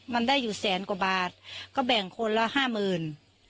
มันได้อยู่แสนกว่าบาทก็แบ่งคนละห้าหมื่น